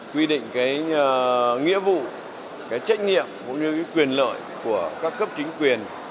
quy định nghĩa vụ trách nhiệm cũng như quyền lợi của các cấp chính quyền